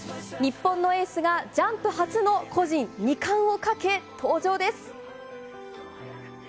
日本のエースがジャンプ初の個人２冠をかけ登場です。